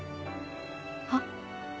はっ？